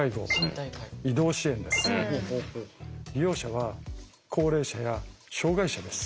利用者は高齢者や障害者です。